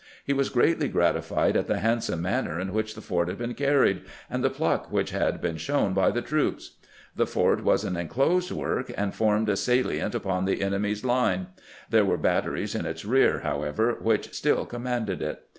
He was greatly gratified at the handsome manner in which the fort had been carried, and the pluck which had been shown by the troops. The fort was an inclosed work, and formed a salient upon the enemy's line. There were batteries in its rear, however, which still commanded it.